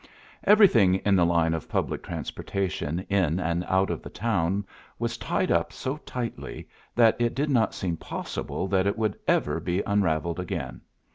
Everything in the line of public transportation in and out of the town was tied up so tightly that it did not seem possible that it would ever be unraveled again.